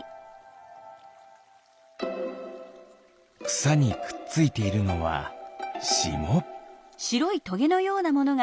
くさにくっついているのはしも。